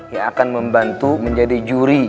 yang akan membantu menjadi juri